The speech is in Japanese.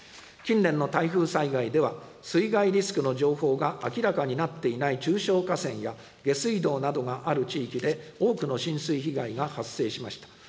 近年の台風災害では、水害リスクの情報が明らかになっていない中小河川や下水道などがある地域で、多くの浸水被害が発生しました。